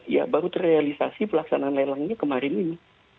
ya baru terrealisasi pelaksanaan lelangnya kemarin ini